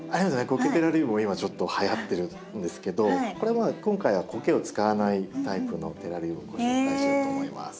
コケテラリウムも今ちょっとはやってるんですけどこれは今回はコケを使わないタイプのテラリウムをご紹介しようと思います。